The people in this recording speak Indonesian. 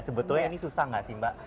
sebetulnya ini susah nggak sih mbak